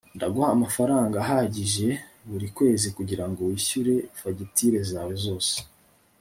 ndaguha amafaranga ahagije buri kwezi kugirango wishyure fagitire zawe zose